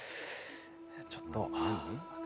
ちょっと。